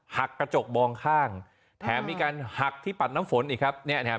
กระจกมองข้างแถมมีการหักที่ปัดน้ำฝนอีกครับเนี่ยนะครับ